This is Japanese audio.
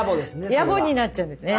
野暮になっちゃうんですね。